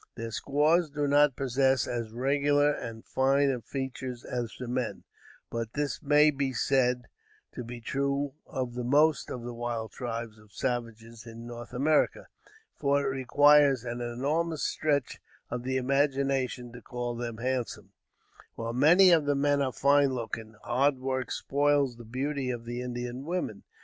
Their squaws do not possess as regular and fine features as the men; but, this may be said to be true of most of the wild tribes of savages in North America, for it requires an enormous stretch of the imagination to call them handsome, while many of the men are fine looking. Hard work spoils the beauty of the Indian women.